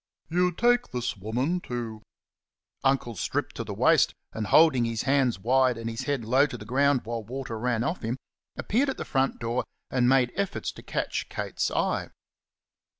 "You take this woman to " Uncle, stripped to the waist, and holding his hands wide and his head low to the ground, while water ran off him, appeared at the front door and made efforts to catch Kate's eye.